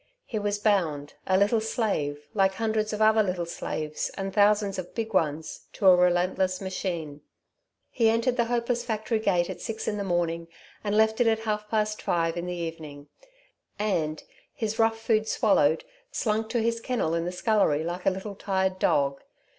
He was bound, a little slave, like hundreds of other little slaves and thousands of big ones, to a relentless machine. He entered the hopeless factory gate at six in the morning and left it at half past five in the evening; and, his rough food swallowed, slunk to his kennel in the scullery like a little tired dog.